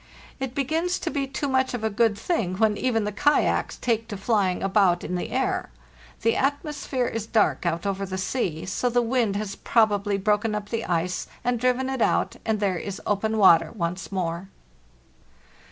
It begins to be too much of a good thing when even the kayaks take to flying about in the air. The atmosphere is dark out over the sea, so the wind has probably broken up the ice, and driven it out, and there is Open water once more."